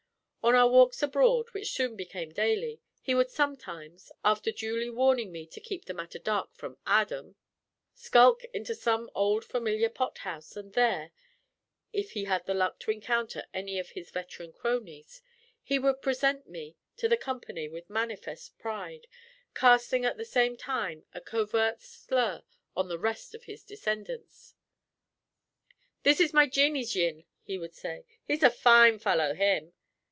On our walks abroad, which soon became daily, he would sometimes (after duly warning me to keep the matter dark from "Aadam") skulk into some old familiar pot house; and there (if he had the luck to encounter any of his veteran cronies) he would present me to the company with manifest pride, casting at the same time a covert slur on the rest of his descendants. "This is my Jeannie's yin," he would say. "He's a fine fallow, him."